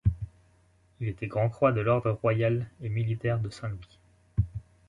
Il était Grand-croix de l'ordre royal et militaire de Saint-Louis.